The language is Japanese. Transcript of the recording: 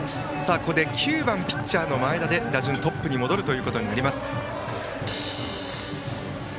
ここで９番ピッチャーの前田で打順がトップに戻ります。